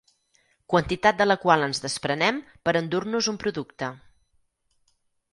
Quantitat de la qual ens desprenem per endur-nos un producte.